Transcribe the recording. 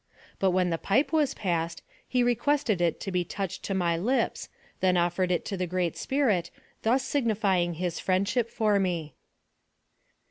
But when the pipe was passed, he requested it to be touched to my lips, then offered it to the Great Spirit, thus signifying his friendship for me.